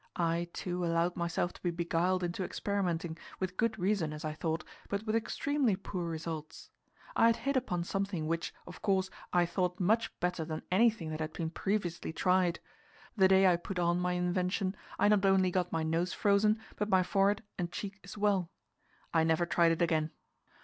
I, too, allowed myself to be beguiled into experimenting, with good reason, as I thought, but with extremely poor results. I had hit upon something which, of course, I thought much better than anything that had been previously tried. The day I put on my invention, I not only got my nose frozen, but my forehead and cheek as well. I never tried it again.